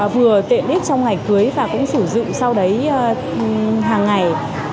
vừa tiện ích trong ngày cưới và cũng sử dụng sau đấy hàng ngày